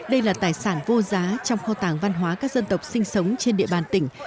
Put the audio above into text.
đây là tài sản vô giá trong kho tàng văn hóa các dân tộc sinh sống trên địa bàn tỉnh